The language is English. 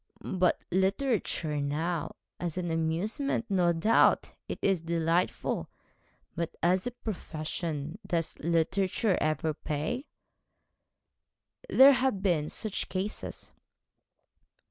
'But literature now as an amusement, no doubt, it is delightful but as a profession does literature ever pay?' 'There have been such cases.'